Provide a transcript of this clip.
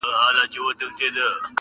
لا رواني دي جوپې د شهيدانو!!